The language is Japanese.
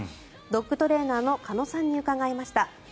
ドッグトレーナーの鹿野さんに伺いました。